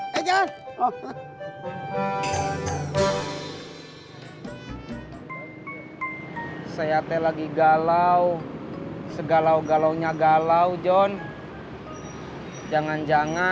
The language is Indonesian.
b nya jangan panjang panjang